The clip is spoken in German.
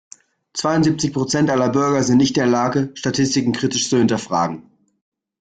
Zweiundsiebzig Prozent aller Bürger sind nicht in der Lage, Statistiken kritisch zu hinterfragen.